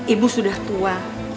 ibu sudah tua